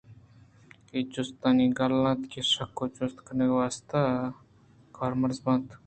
اے جستی گال اِنت ءُ شک یا جست کنگ واست ءَ کارمرز بیت۔